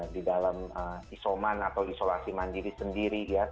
di dalam isoman atau isolasi mandiri sendiri ya